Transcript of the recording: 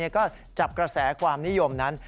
ก็จับกระแสความนิยมนั้น